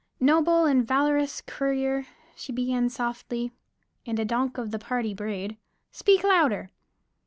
"Noble and valorous courtier," she began softly and a donk of the party brayed, "Speak louder!"